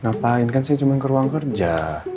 ngapain kan saya cuma ke ruang kerja